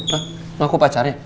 hah ngaku pacarnya